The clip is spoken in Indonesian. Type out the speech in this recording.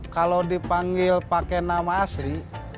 kalau dipanggil pakai nama asri